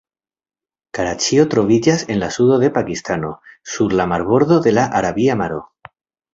Karaĉio troviĝas en la sudo de Pakistano, sur la marbordo de la Arabia Maro.